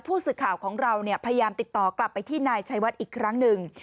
ผู้สื่อข่าวของเราพยายามติดต่อกลับไปที่นายชัยวัดอีกครั้งหนึ่ง